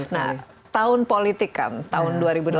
nah tahun politik kan tahun dua ribu delapan belas